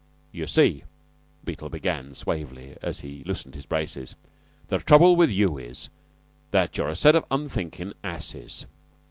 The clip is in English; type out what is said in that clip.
"You see," Beetle began suavely as he loosened his braces, "the trouble with you is that you're a set of unthinkin' asses.